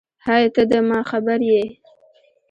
هی ته ده ما خبر یی